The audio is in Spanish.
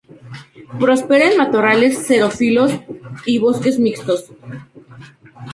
Prospera en matorrales xerófilos y bosques mixtos.